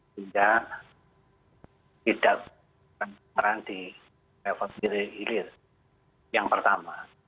sehingga tidak terhenti revokasi hilir yang pertama